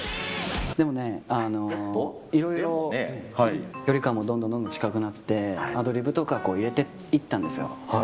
でもね、いろいろ距離感もどんどんどんどん近くなって、アドリブとか、入れていったんですよ。